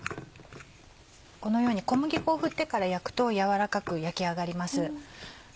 このように小麦粉をふってから焼くと軟らかく焼き上がります。